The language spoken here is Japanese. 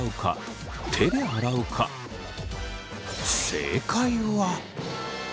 正解は。